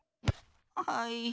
はい。